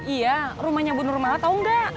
iya rumahnya bu nurmala tau gak